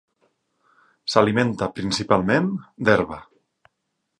S'alimenta principalment d'herba.